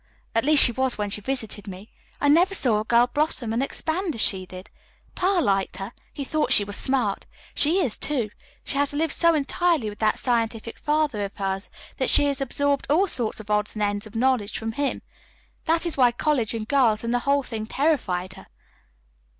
At least she was when she visited me. I never saw a girl blossom and expand as she did. Pa liked her. He thought she was smart. She is, too. She has lived so entirely with that scientific father of hers that she has absorbed all sorts of odds and ends of knowledge from him. That is why college and girls and the whole thing terrified her."